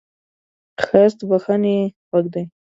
ښایست د بښنې غږ دی